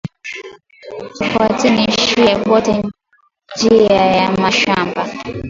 Tu fwateni shiye bote njiya ya mashamba